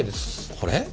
これ？